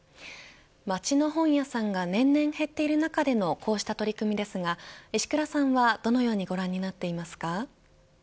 街の本屋さんが年々減っている中でのこうした取り組みですが石倉さんはどのようにご覧になっていますか。